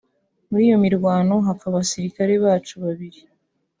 muri iyo mirwano hapfa abasirikare bacu babiri